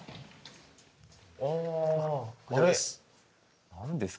これです。